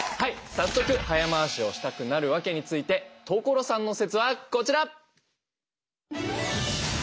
早速「早回しをしたくなるワケ」について所さんの説はこちら！